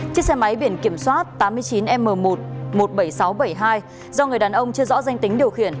chiếc xe máy biển kiểm soát tám mươi chín m một một mươi bảy nghìn sáu trăm bảy mươi hai do người đàn ông chưa rõ danh tính điều khiển